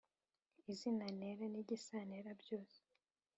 izina ntera n’igisantera byose